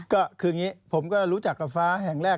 ก็คืออย่างนี้ผมก็รู้จักกับฟ้าแห่งแรก